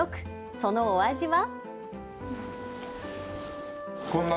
そのお味は。